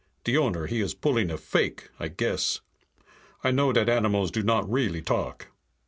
De owner, he is pulling a fake, I guess. I know dat animals do not really talk.